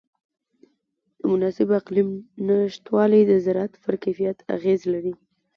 د مناسب اقلیم نهشتوالی د زراعت پر کیفیت اغېز لري.